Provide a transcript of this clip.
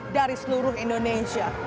dari seluruh indonesia